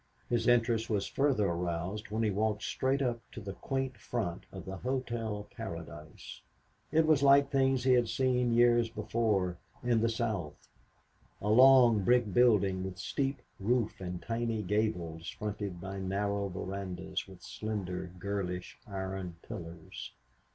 His interest was further aroused when he walked straight up to the quaint front of the Hotel Paradise. It was like things he had seen years before in the South; a long, brick building with steep roof and tiny gables fronted by narrow verandas with slender, girlish, iron pillars.